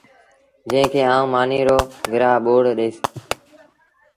جݩهݩ کي آئوٚنٚ مآݩيٚ رو گرآ ٻوڙي ڏئيٚس